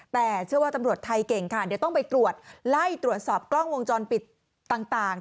แต่เชื่อว่าตำรวจไทยเก่งค่ะเดี๋ยวต้องไปตรวจไล่ตรวจสอบกล้องวงจรปิดต่าง